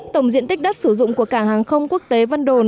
tổng diện tích đất sử dụng của cảng hàng không quốc tế vân đồn